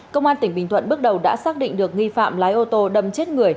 công an tỉnh bình thuận bước đầu đã xác định được nghi phạm lái ô tô đâm chết người